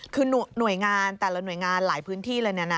คือหน่วยงานแต่ละหน่วยงานหลายพื้นที่เลยนะ